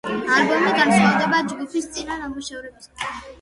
ალბომი განსხვავდება ჯგუფის წინა ნამუშევრებისგან.